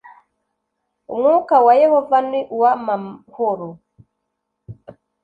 Umwuka wa Yehova ni uwamahoro